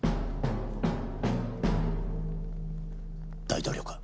大統領か？